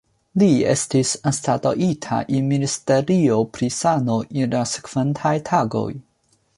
Li estis anstataŭita en Ministerio pri sano en la sekvantaj tagoj.